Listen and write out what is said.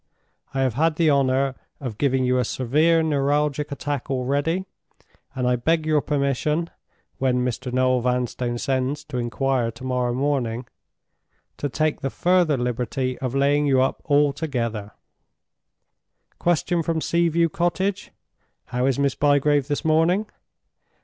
I have had the honor of giving you a severe neuralgic attack already, and I beg your permission (when Mr. Noel Vanstone sends to inquire to morrow morning) to take the further liberty of laying you up altogether. Question from Sea view Cottage: 'How is Miss Bygrave this morning?